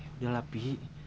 udah lah opi